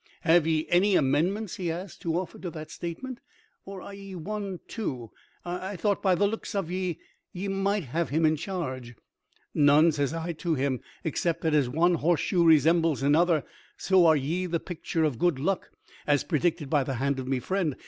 "Have ye any amendments," he asks, "to offer to that statement, or are ye one too? I thought by the looks of ye ye might have him in charge." "None," says I to him, "except that as one horseshoe resembles another so are ye the picture of good luck as predicted by the hand of me friend.